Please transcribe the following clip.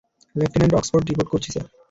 Lieutenant Oxford report করছি, sir.